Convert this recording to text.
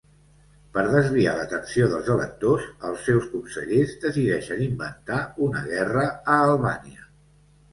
Per desviar l'atenció dels electors, els seus consellers decideixen inventar una guerra a Albània.